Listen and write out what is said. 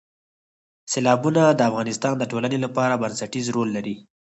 سیلابونه د افغانستان د ټولنې لپاره بنسټيز رول لري.